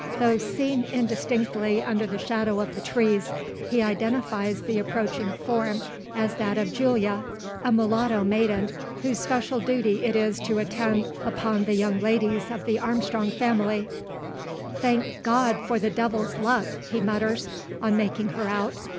Though seen indistinctly under the shadow of the trees, he identifies the approaching form as that of Julia a mulatto maiden, whose special duty it is to attend upon the young ladies of the Armstrong family, "Thank God for the devil's luck!" he mutters, on making her out.